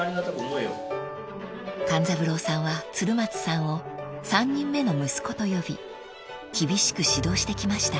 ［勘三郎さんは鶴松さんを３人目の息子と呼び厳しく指導してきました］